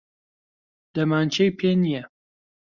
دەمانچەی پێ نییە.